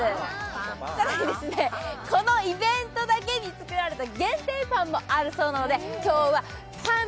更にこのイベントだけに作られた限定パンもあるそうなので今日はパン！